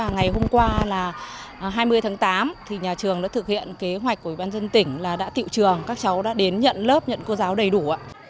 ngày hôm qua là hai mươi tháng tám nhà trường đã thực hiện kế hoạch của ubnd tỉnh là đã tự trường các cháu đã đến nhận lớp nhận cô giáo đầy đủ